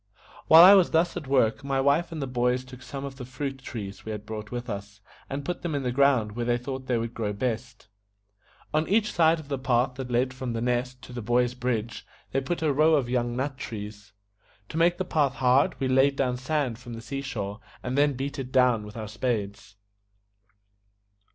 While I was thus at work, my wife and the boys took some of the fruit trees we had brought with us, and put them in the ground where they thought they would grow best. On each side of the path that led from The Nest to the Boy's Bridge they put a row of young nut trees. To make the path hard we laid down sand from the sea shore, and then beat it down with our spades.